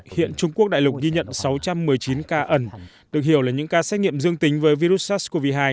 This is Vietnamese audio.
hiện trung quốc đại lục ghi nhận sáu trăm một mươi chín ca ẩn được hiểu là những ca xét nghiệm dương tính với virus sars cov hai